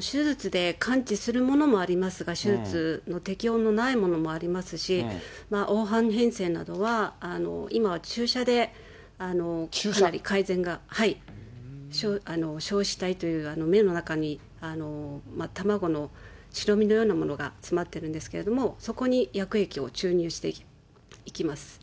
手術で完治するものもありますが、手術の適用のないものもありますし、黄斑変性などは、今は注射でかなり改善が、硝子体という、目の中に卵の白身のようなものが詰まってるんですけれども、そこに薬液を注入していきます。